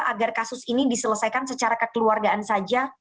agar kasus ini diselesaikan secara kekeluargaan saja